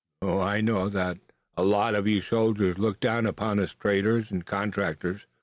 Oh, I know that a lot of you soldiers look down upon us traders and contractors."